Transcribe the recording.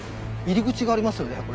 入り口がありますよね